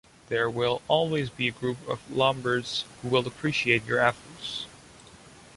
There will always be a group of Lombards who will appreciate your efforts.